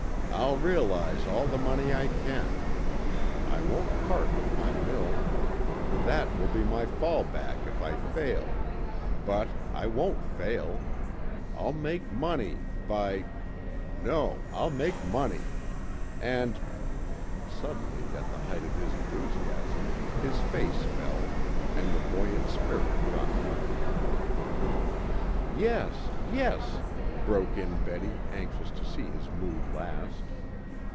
I'll realize all the money I can. I won't part with my mill. That will be my fall back if I fail. But I won't fail. I'll make money by no, I'll make money. And " Suddenly, at the height of his enthusiasm, his face fell, and the buoyant spirit dropped from him. "Yes, yes," broke in Betty, anxious to see his mood last.